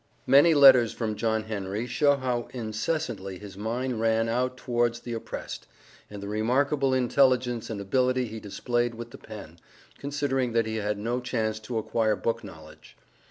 Many letters from JOHN HENRY show how incessantly his mind ran out towards the oppressed, and the remarkable intelligence and ability he displayed with the pen, considering that he had no chance to acquire book knowledge.